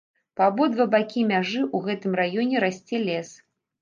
Па абодва бакі мяжы ў гэтым раёне расце лес.